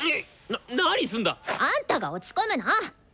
なっ何すんだ！あんたが落ち込むな！